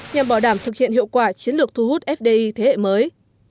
nhằm bảo đảm thực hiện hiệu quả chiến lược thu hút fdi thế hệ mới